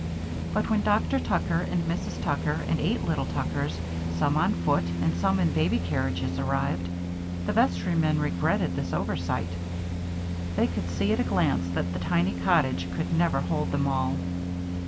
But when Dr. Tucker and Mrs. Tucker and eight little Tuckers, some on foot and some in baby carriages, arrived, the vestrymen regretted this oversight. They could see at a glance that the tiny cottage could never hold them all.